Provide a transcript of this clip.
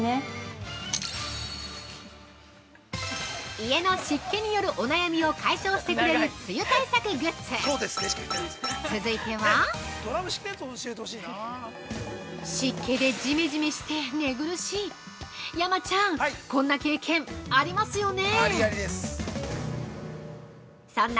◆家の湿気によるお悩みを解消してくれる梅雨対策グッズ続いては湿気でジメジメして寝苦しい山ちゃんこんな経験ありますよね？